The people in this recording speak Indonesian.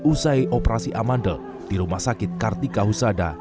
usai operasi amandel di rumah sakit kartika husada